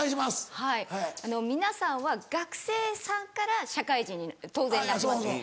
はい皆さんは学生さんから社会人に当然なりますよね。